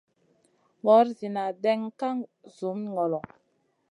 Nor zina ɗènŋa ka zumi ŋolo.